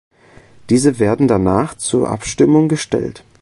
Diese werden danach zur Abstimmung gestellt.